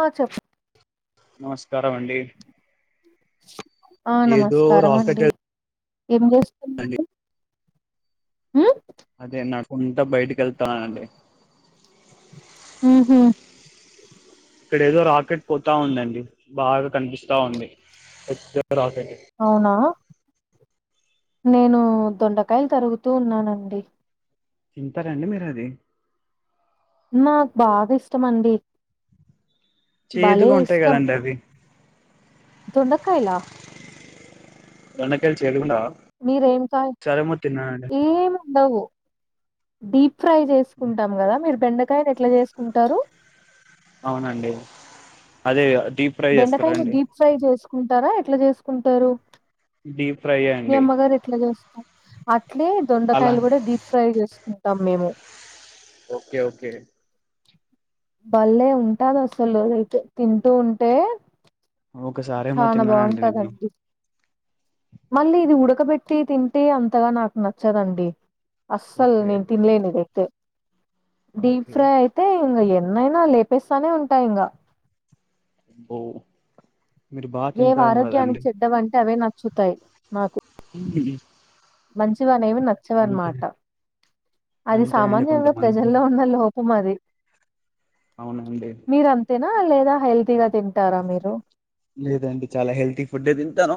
ఆ చెప్ నమస్కారం అండి ఆ ఏదో నమస్కారం రాకెట్ అండి ఏం వెళ్తుందండి చేస్తున్నారు అదే నా తమ్మున్‌తో బయటికి ఏళ్తాన్ననండి హు హు ఇక్కడ ఏదో రాకెట్ పోతా ఉందండి బాగా కనిపిస్తా ఉంది ఎ రాకెట్ అవునా నేను దొండకాయలు తరుగుతూ ఉన్నానండి, తింటారండి మీరు అది, నాకు బాగా ఇష్టమండి, బళ్లే చేదుగా ఉంటాయి ఇష్టం కదండి అవి దొండకాయలా, దొండకాయలు చేదు ఉండవా మీరేం కా ఏం ఉండవు డీప్ ఫ్రై చేసుకుంటాం కదా మీరు బెండకాయని ఎట్లా చేసుకుంటారు. అవునండి అదేవి బెండకాయని డీప్ ఫ్రై చేసుకుంటారా ఎట్లా చేసుకుంటారు, డీప్ ఫ్రై మీ అండి అమ్మగారు ఎట్లా చేస్తారు అట్లే అలా దొండకాయలు కూడా డీప్ ఫ్రై చేస్త ఉంటాం మేము ఓకే ఓకే బళ్లే ఉంటాది అసలు త్ తింటూ ఉంటే, ఒకసారేమో చనా తిన్నానండి నేను బాగుంటాదండి, మళ్ళీ ఇది ఉడకబెట్టి తింటే అంతగా నాకు నచ్చదండి, అస్సలు ఓకే నేను తిన్లేను ఇదైతే డీప్ ఓకే ఫ్రై అయితే ఇగా ఇవి అయినా లేపేస్తానే ఉంటా ఇంకా, అబ్బో ఏవి ఆరోగ్యానికి చెడ్డవి అంటే అవే నచ్చుతాయి, నాకు [unintelligible] మంచివినే ఏమి నచ్చవ అంతే అన్నమాట అది అంతేనండి సామాన్యంగా కొంతమంది ప్రజల్లో ఉన్న లోప, కుమది అవునండి లేదా హెల్తీగా తింటారా మీరు లేదండి చాలా హెల్తీ ఫుడ్డే తింటాను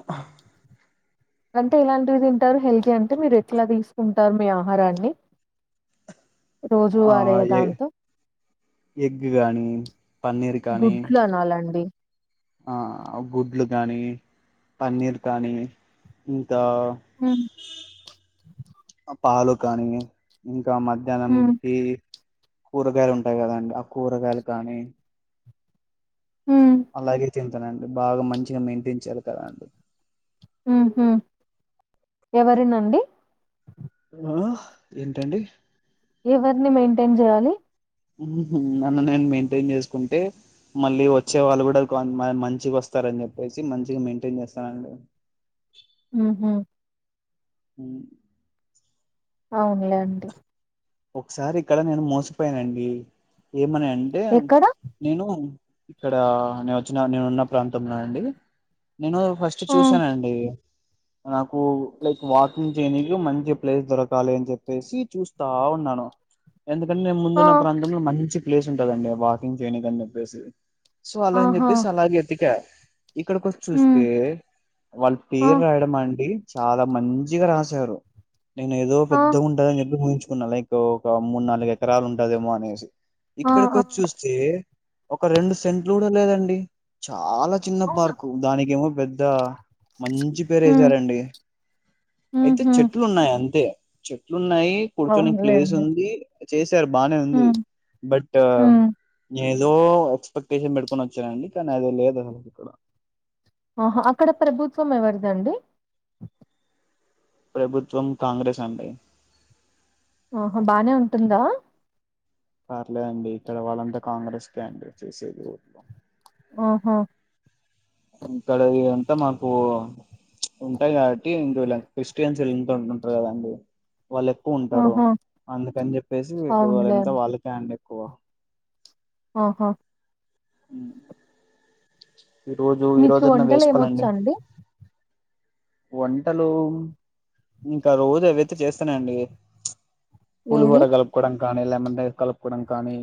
అంటే ఎలాంటివి తింటారు, హెల్దీ అంటే మీరు ఎట్లా తీసుకుంటారు, మీ ఆహారాన్ని [unintelligible] రోజు ఆ వారయ్య ఏ దాంతో ఎగ్ కానీ, పన్నీర్ కానీ గుడ్లు అనాలండి ఆ గుడ్లు కానీ, పన్నీర్ కానీ ఇంకా ఉమ్ పాలు కానీ ఇకా ఉమ్ మధ్యాహ్నంకి కూరగాయలు ఉంటాయి కాదండి ఆ కూరగాయలు కానీ, ఉమ్ అలాగే తింటానండి బాగా మంచిగా మెయింటైన్ చేయ్యాలి కదాండి, ఉహు ఎవరినండి, ఆ ఏంటండి ఎవరిని మెయింటైన్ చేయ్యాలి, ఉహు నన్ను నేను మెయింటైన్ చేసుకుంటే మళ్ళీ వచ్చే వాళ్ళు కూడా మంచిగా వస్తారు, ని చెప్పేసి మంచిగా మెయింటైన్ చేస్తానండి, ఉహు ఉ అవునులే అండి ఒకసారి ఇక్కడ నేను మోసపోయానండి ఏమని అంటే ఎక్కడ నేను ఇక్కడ నేను వచ్చిన నేను ఉన్న ప్రాంతంలో అండి నేను ఫస్ట్ ఆ చూసానండి, నాకు లైక్ వాకింగ్ చేయడానికి మంచి ప్లేస్ దొరకాలి అని చెప్పేసి చూస్తా, ఉ న్నాను ఎందుకంటే నేను ఆ ముందున్న ప్రాంతంలో మంచి, ప్లేస్ ఉంటదండి వాకింగ్ చేయనిద అని చెప్పేసి సో అలా అని ఆహా చెప్పేసి అలాగ ఎతిక, ఇక్కడకి వచ్చి ఉమ్ చూస్తే వాళ్ళ ఆ పేరు రాయడం అండి చాలా మంచిగా రాశారు నేను ఏదో ఆ పెద్దగా ఉంటదని చెప్పి ఊహించుకున్నా లైక్, ఒక మూడు నాలుగు ఎకరాలు ఉంటదేమో అనేసి ఆ ఇక్కడికి ఆ వచ్చ చూస్తే, ఒక రెండు సెంట్లు కూడా లేదండి చాలా చిన్న అవునా పార్కు దానికేమొ పెద్ద మంచి పేరు ఉమ్ వేసారండి అయితే ఉహు చెట్లు ఉన్నాయి అంతే చెట్లు ఉన్నాయి కూర్చొని ప్లేస్ అవునులేండి ఉంది చేస్ టర్ బానే ఉంది ఉమ్ బట్ ఎ ఉమ్ ఏదో ఎక్స్పెక్టేషన్ పెడుకొని వచ్చానండి కానీ ఏదో లేదు అసలుకు ఇక్కడ ఆహా అక్కడ ప్రభుత్వం ఎవరిదండి ప్రభుత్వం కాంగ్రెస్ అండి ఆహా బానే ఉంటుందా పర్లేదండి ఇక్కడ వాళ్ళంతా కాంగ్రెస్ కే అండి చేసేది ఊర్లో ఆహా మీ కడ ఎ అంత మాకు ఉంటాయి కాబట్టి హిందులని క్రిస్టియన్స్ ఎళంత ఉంటుంటారు కదండి వాళ్ళు ఎక్కువ ఉంటారు ఆహా అందుకని చెప్పేసి వాళ్ళ ఎంత వాళ్ళకే అండి ఎక్కువ ఆహా ఈ రోజు మీకు ఈరోోజున్నా వంటలు వేసుకోవాలండి ఏమొచ్చండి వంటలు ఇంకా రోజవైతే చేస్తానే అండి ఏవి పులిహోర కలుపుకోవడం కానీ లెమన్స్ కలుపుకోవడం కానీ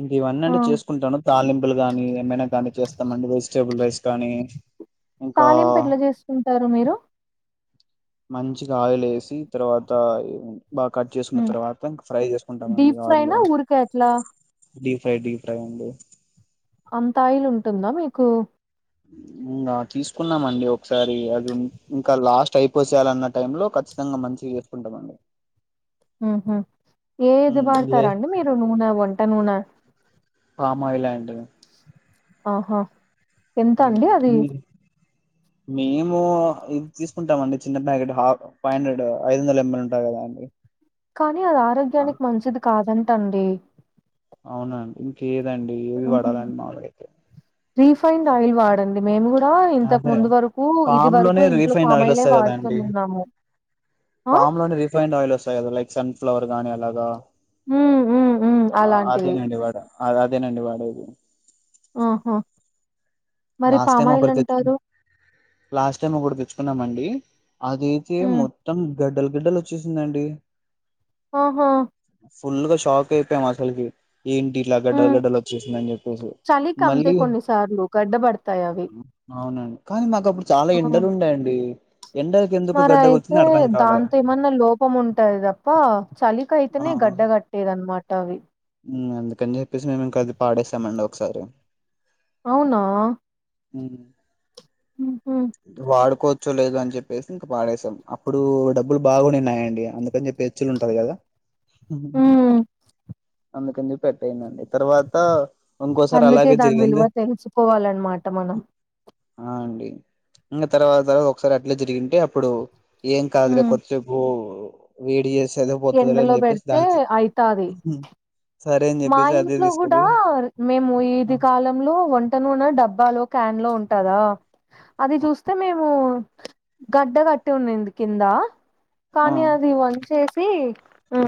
ఇంక ఇవన్నీ ఆ అంటే చేసుకుంటాను తాలింపులు గాని ఏమైనా కానీ మొత్తమంన్ని వెజిటేబుల్ రైస్ కానీ ఇంకా తాలింపు ఎట్లా చేసుకుంటారు మీరు మంచిగా ఆయిలే వేసి తర్వాత ఏ బాగా కట్ చేసుకున్న ఉమ్ తర్వాత ఫ్రై చేసుకుంటామండి డీప్ ఆయిల్లో ఫ్రైనా ఊరికే అట్లా డీ ఫ్రై డీ ఫ్రై అండి అంతాయిల్ ఉంటుందా మీకు మ్ ఇంకా తీసుకున్నామండి ఒకసారి అది ఇంకా లాస్ట్ అయిపోసేయాలన్న టైంలో ఖచ్చితంగా మంచి చేసుకుంటామండి అహ ఏది ఉమ్, లే వాడతారా అండి మీరు నూనె వంట నూనె పామయిలండి ఆహా ఎంత అండి అది మేము ఇది తీసుకుంటాంమండి చిన్న ప్యాకెట్ హాఫ్ ఫైవ్ హండ్రెడ్ ఐదు వందల ఎంఎల్ ఉంటాయి కదా అండి కానీ అది ఆ, ఆరోగ్యానికి మంచిది కాదంటండి అవునండి ఇంకేదండి ఏది వడాలండి మాముగైతే రిఫైండ్ ఆయిల్ వాడండి మేము కూడా ఇంతకు అదే ముందు వరకు ఇది పామ్ వరకు లోనే ఇంట్లో రీఫైండ్ పామయలే వాడుతున్నాము ఆ! పామ్లాంని refined oil was like sunflower గానీ అలాగా హ్మ్. హ్మ్. హ్మ్. అలాంటివి. అదేనండి వాడ అదదేనండి వాడేది ఆహా మరి లాస్ట్ పామ్ టైం ఆయిల్ ఒకటి తెచ్ అంటారు. లాస్ట్ టైం ఒకటి తెచ్చుకున్నామండి అదైతే హ్మ్. మొత్తం గడ్డల్ గడ్డలోచ్చేసిందండి ఆహా! ఫుల్ గా షాక్ అయిపోయాం అసలుకి ఏంటి ఇల గడ్డల్ హ్మ్. గడ్డలోచ్చేసిందని చేప్పేసి చలికంతే మళ్ళీ కొన్ని సార్లు గడ్డబడతాయవి. అవునండి కానీ మాకు అప్పుడు చాలా ఎండలు ఉండే అండి మరి అయితే దాంతో ఏమన్నా లోపం ఉంటదిప్ప ఆ చలికైతేనే గడ్డగట్ ట్టేదన్నమాట అవి అందుకని చెప్పేసి మేము ఇంకా అది పాడేసమండి ఒకసారి అవునా మ్ ఉహు వాడుకో చోలేదో అని చెప్పేసి ఇంక పాడేసాం అప్పుడు డబ్బులు బాగునే ఉన్నాయండి అందు కొంచం పిచ్చులంటది కదా హ్మ్ అందుకని చేప్పి పెట్టయిందండి ఆ తర్వాత ఇంకోసారి అలాగే జరిగింది కోవాలన్నమాట మనం ఆ అండి ఇంకా తర్వాత తర్వా ఒకసారి అట్లే జరిగింటే అప్పుడు ఏం కాదులే హ్మ్ కోడి సేపు వేడి చేసి చదువుపోతుంది ఎండలో అని చెప్పేసి పెడితే దానికి అయితాది సరే అని మా చెప్పేసి అదే ఇంట్లో కూడా తీసుకుపోయి మేము ఆ ఇది కాలంలో వంట నునా డబ్బాలో క్యాన్ లో ఉంటుందా అది చూస్తే మేము గడ్డ కట్టి ఉనాది ది కిందా ఆ కానీ అది వంచేసి ఆ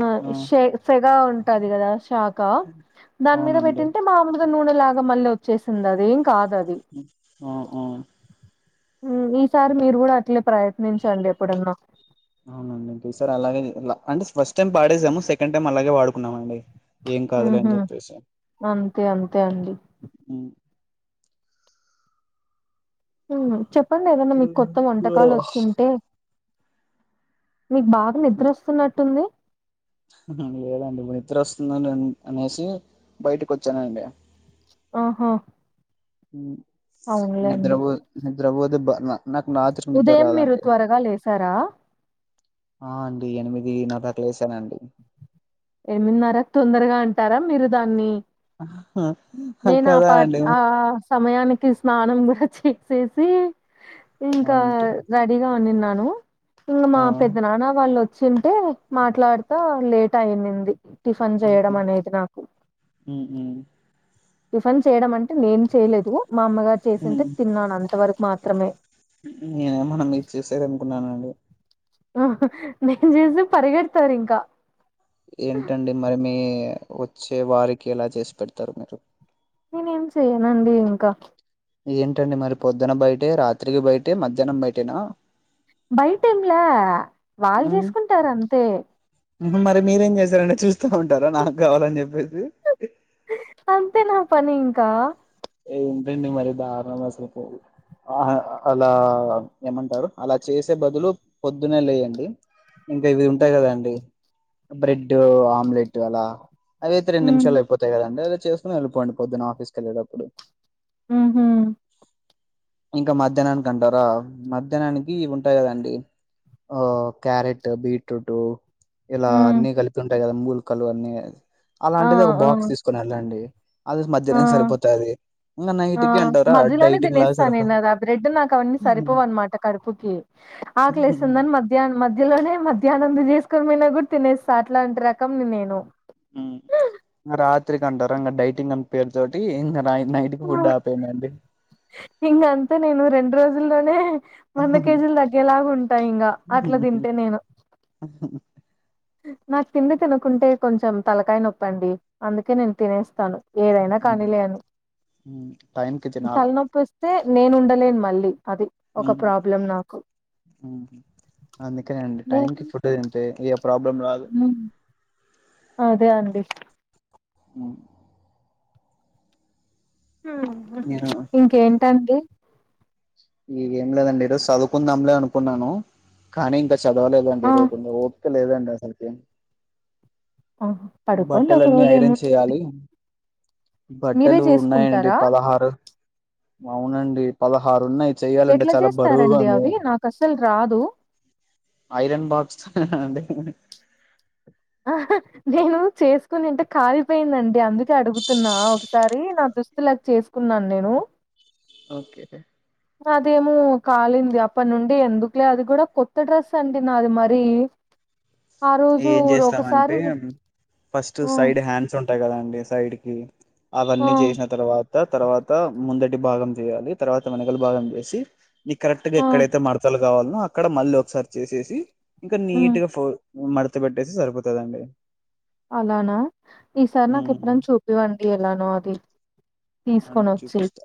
సెగ ఉంటది కదా షాక్ కదాని మీద అవునండి పెట్టింటే మాములుగా నూనె లాగా మళ్ళీ వచ్చేసింది అది కాదు ఆ హా హా ఈసారి మీరు కూడా అట్లే ప్రయత్నించండి ఎప్పుడన్నా అవున సారె అలాగే అంటే ఫస్ట్ టైం పాడేసాము సెకండ్ టైం అలాగే వాడుకున్నాము అండి ఏం కాదులే అని ఉహు చెప్పేసి అంతే అంతే అండి హు చెప్పండి ఏదన్నా మీకు ఉమ్. కొత్త వంటకాలు వచ్చింటే మీకు బాగా నిద్ర వస్తున్నట్టుంది లేదండి నిద్ర వస్తుంది అనేసి బయటకి వచ్చానండి ఓహో నిద్రపో నిద్ర పోతే బ నాకు రాత్రరు నిద్దర్ ఉదయం మీరు రాదండి త్వరగా లేసారా ఆ అండి ఎనిమిది నరా కి లేసానండి ఎనిమిదిన్నర తొందరగా అంటారా మీరు దాన్ని ఆహా, నేను ఆ కదా పా అండి ఆ సమయానికి స్నానం కూడా చే చేసి ఇంకా అంటే రెడీగా వండిన్నాను ఇంక మా ఆ పెద్ద నాన్న వాళ్ళు వచ్చింటే మాట్లాడుతా లేట్ అయింది టిఫీన్ ఉమ్, చేయడం అనేది నాకు ఉమ్, ఉమ్, టిఫెన్ చేయడం అంటే నేను చేయలేదు మా అమ్మగారు చేసింటే తిన్నాను అంత వరకు మాత్రమే నేనే మన మీరు చేసారు అనుకున్నానండి నేను చేస్తే పరిగెడతారు ఇంకా ఏంటండి మరి మీ వచ్చే వారికి ఎలా చేసి పెడతారు మీరు నేను ఏం చెయనండి ఇంకా ఏంటండి మరి పొద్దున బయట రాత్రికి బయట మధ్యాహ్నం బయటేనా బయట ఏంలా వాళ్ళు హ్మ్. చేసుకుంటారు అంతే మరి మీరేం చేశారంటే చూస్తా ఉంటారా నాకు కావాలని చెప్పేసి అంతే నా పనింకా ఏంటండి మరి దారుణం అసలు కు ఆ అలా ఏమంటారు అలా చేసే బదులు పొద్దునే లేయండి ఇంకా ఇవి ఉంటాయి కదాండి బ్రెడ్ ఆమ్లెట్ అలా అవితే రెండు హ్మ్ నిమిషాల్లో అయిపోతయి కదండి అదే చేసుకోని వెళ్లిపోండి పొద్దున్న ఆఫీస్ కి వెళ్లేటప్పుడు హూ హ్మ్ ఇంకా మధ్యాహ్నానికి అంటారా మధ్యాహ్నానికి ఇవి ఉంటాయి కదండి ఆ క్యారెట్ బీట్రూట్ ఇలా హ్మ్ అన్ని కలిపి ఉంటాయి కదా మూలకలు అన్ని ఆ అలాంటిది ఒక ఆ బాక్స్ తీసుకుని వెళ్ళండి అది ఆ మధ్యాహ్నం కి సరిపోతాది ఇంగ నై నైట్ ఆ మధ్యలోనే తినేస్తా నేను అది ఆ బ్రెడ్ నాకు అవన్నీ సరిపోవన్నమాట కడుపుకి ఆ కలేస్తుందని మధ్యాహ్నం మధ్యలోనే మధ్యాహ్నం కుక్కర్ మీన కూడా తినేస్తా అట్లాంటి రకం నేను రాత్రి కంటార ఇక డైటింగ్ అన్న పేరుతోటి ఇ రా నైట్ కి ఫుడ్ ఆపేయాండీ ఇంక అంతా నేను రెండు రోజుల్లోనే వంద కేజీలు తగ్గేలాగా ఉంటా ఇంకా అట్లా తి అంటే నేను అ నాకు తిండి తినుకుంటే కొంచెం తలకాయ నొప్పండి అందుకే నేను తినేస్తాను ఏదైనా కానీలే అని టైం కి తినాల తలనొప్పి వస్తే నేను ఉండలేను మళ్ళీ అది ఒక ప్రాబ్లం నాకు అందుకనే అండి టైంకిి ఫుడ్డు తింటే ఏ ప్రాబ్లం రాదు హూ అదే అండి మ నేను ఇంకేంటండి ఇగ ఏం లేదండి ఈరోోజు చదువుకుందాంలే అనుకున్నాను కానీ ఇంకా చదవలేదండి ఆ ఈరోజు ఇగ ఓపిక లేదండి అసలు ఆహ పడుకోండి ఒక రోజు ఐరన్ ఏముందింది చేయాలి బట్టలు ఉన్నాయండి పదహారు అవునండి పదహారు ఉన్నాయి చెయ్యాలంటే ఎట్లా చాలా బరువుగా చేస్తారండి ఉంది అవి నాకు అసలు రాదు ఐరన్ బాక్స్ అండి ఆ నేను చేసుకునింటే కాలిపోయిందండి అందుకే అడుగుతున్నా ఒకసారి నా దుస్తులాగా చేసుకున్నాను నేను ఓకే అదేమో కాలింది అప్పటి నుండి ఎందుకులే అది కూడా కొత్త డ్రెస్ అండి నాది మరీ ఏం చేస్తామంటే ఫస్ట్ హ్మ్ సైడ్ హ్యాండ్స్ ఉంటు అంతే కదా అండి సైడ్ కి అవన్నీ హ్మ్ చేసిన తర్వాత తర్వాత ముందడి హ్మ్ [unintelligible] కావాలను అక్కడ మళ్ళీ ఒకసారి చేసేసి ఇంకా హ్మ్ నీట్ గా ఫో మడత పెట్టేసి సరిపోతుందండి అలానా ఈసారి నాకు ఉమ్ ఎప్పుడనా చూపివండి ఎలానో అది అండి తీసుకొనొచ్చి చూపిస్తా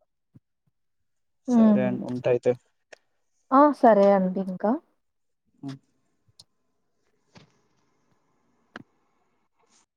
సరే అండి ఉంటా అయితే ఆ సరే అండి ఇంకా [unintelligible]